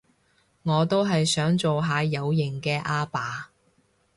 我都係想做下有型嘅阿爸